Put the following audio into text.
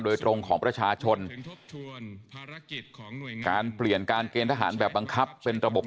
โดยตรงของประชาชนภารกิจของการเปลี่ยนการเกณฑ์ทหารแบบบังคับเป็นระบบ